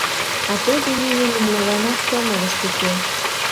А теве нинын нимоланат сомылышт уке.